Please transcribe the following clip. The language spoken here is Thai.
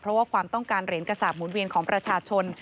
เพราะว่าความต้องการเหรียญกระสาปหมุนเวียนของประชาชน